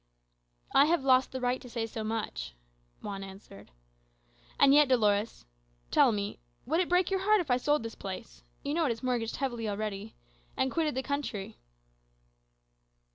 "I have lost the right to say so much," Juan answered. "And yet, Dolores tell me, would it break your heart if I sold this place you know it is mortgaged heavily already and quitted the country?"